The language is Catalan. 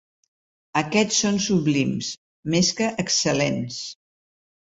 Aquests són sublims, més que excel·lents.